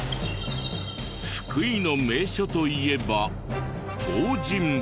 福井の名所といえば東尋坊。